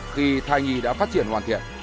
khi thai nhì đã phát triển hoàn thiện